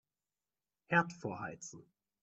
Herd vorheizen.